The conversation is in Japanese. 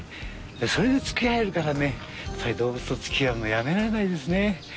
それで付き合えるから動物と付き合うのやめられないんですね。